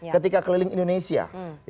ketika keliling indonesia